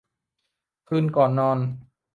คืนก่อนนอน